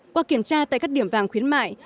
qua kiểm tra tại các điểm vàng khuyến mại